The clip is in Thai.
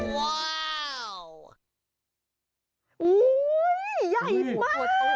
ว้าวอุ้ยใหญ่มาก